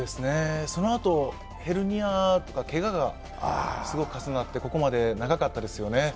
そのあとヘルニアとかけががすごく重なってここまで長かったですよね。